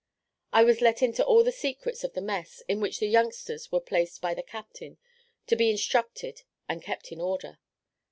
I was let into all the secrets of the mess in which the youngsters were placed by the captain to be instructed and kept in order.